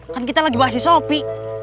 kan kita lagi bahas si sopi